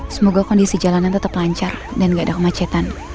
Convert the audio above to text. semoga kondisi jalanan tetap lancar dan nggak ada kemacetan